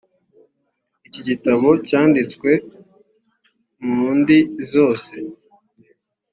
iki gitabo cyanditswe mu ndi zose